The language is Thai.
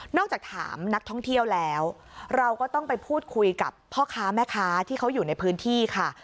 จากถามนักท่องเที่ยวแล้วเราก็ต้องไปพูดคุยกับพ่อค้าแม่ค้าที่เขาอยู่ในพื้นที่ค่ะ